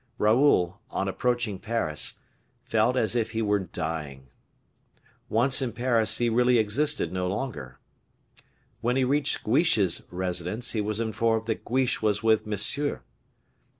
Raoul, on approaching Paris, felt as if he were dying. Once in Paris, he really existed no longer. When he reached Guiche's residence, he was informed that Guiche was with Monsieur.